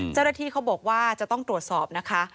เจ้าหน้าที่เขาบอกว่าจะต้องตรวจสอบนะคะ